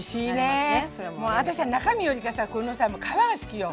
私は中身よりかさこのさ皮が好きよ。